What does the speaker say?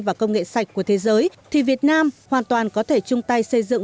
và công nghệ sạch của thế giới thì việt nam hoàn toàn có thể chung tay xây dựng